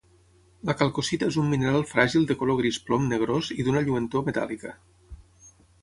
La calcocita és un mineral fràgil de color gris plom negrós i d'una lluentor metàl·lica.